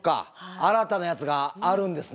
新たなやつがあるんですね。